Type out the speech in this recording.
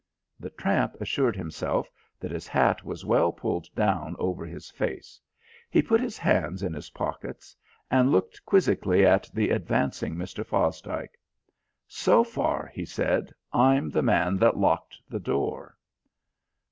The tramp assured himself that his hat was well pulled down over his face. He put his hands in his pockets and looked quizzically at the advancing Mr. Fosdike. "So far," he said, "I'm the man that locked the door."